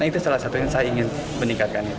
nah itu salah satu yang saya ingin meningkatkan